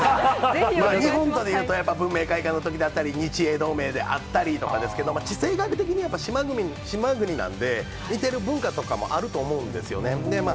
日本とでいうと文明開化のときであったり、日英同盟であったりとか、地政学的にやっぱ島国なんで、似てる文化とかもあると思うんですよね。